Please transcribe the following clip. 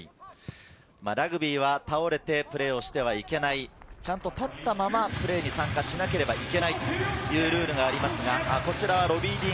ラグビーは倒れてプレーをしてはいけない。ちゃんと立ったままプレーに参加しなければいけないというルールがあります。